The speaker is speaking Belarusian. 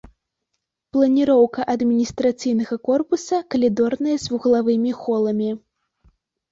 Планіроўка адміністрацыйнага корпуса калідорная з вуглавымі холамі.